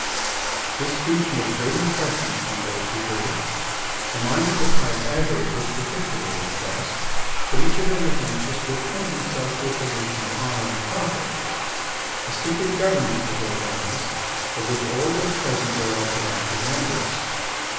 This speech made a great impression upon those who heard it. The mind of the pious Agaric was particularly impressed. But each of them was anxious to appoint himself to a position of honour and profit. A secret government was organised of which all those present were elected active members.